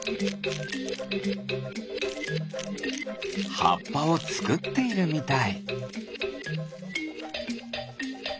はっぱをつくっているみたい。